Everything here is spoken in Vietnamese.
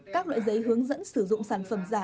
các loại giấy hướng dẫn sử dụng sản phẩm giả